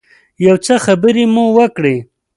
یو څه خبرې مو وکړې.